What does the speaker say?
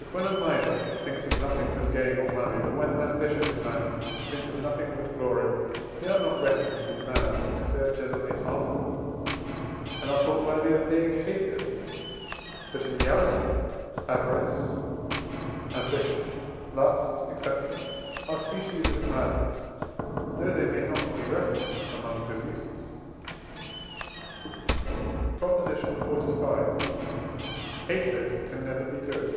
But when a miser thinks of nothing but gain or money, or when an ambitious man thinks of nothing but glory, they are not reckoned to be mad, because they are generally harmful, and are thought worthy of being hated. But, in reality, Avarice, Ambition, Lust, &c., are species of madness, though they may not be reckoned among diseases. PROP. XLV. Hatred can never be good.